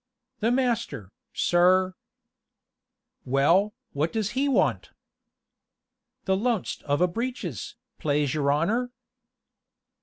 "The master, sir " "Well, what does he want?" "The loanst of a breeches, plase your honor."